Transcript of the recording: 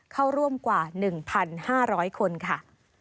เข้าร่วมกว่า๑๕๐๐คนค่ะ